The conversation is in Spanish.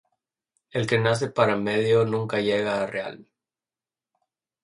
El que nace para medio nunca llega a real.